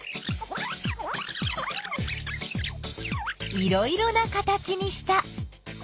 いろいろな形にした。